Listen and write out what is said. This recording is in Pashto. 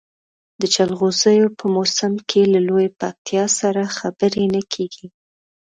د جلغوزیو په موسم کې له لویې پکتیا سره خبرې نه کېږي.